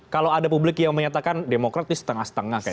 kalau ada publik yang menyatakan demokrat ini setengah setengah kayaknya